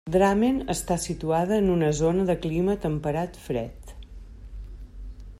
Drammen està situada en una zona de clima temperat-fred.